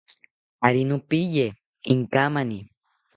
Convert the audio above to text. Ari nopiye inkamani